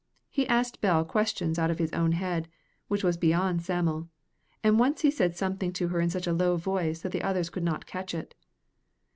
He asked Bell questions out of his own head, which was beyond Sam'l, and once he said something to her in such a low voice that the others could not catch it.